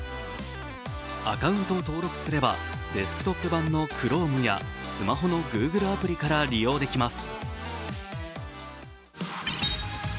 アカウントを登録すればデスクトップ版のＣｈｒｏｍｅやスマホのＧｏｏｇｌｅアプリから利用できます。